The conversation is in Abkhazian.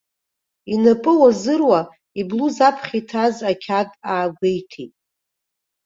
Инапы уазыруа, иблуз аԥхьа иҭаз ақьаад аагәеиҭеит.